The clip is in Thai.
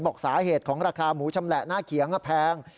บอกสาเหตุของราคาหมูชำแหละหน้าเขียงแพง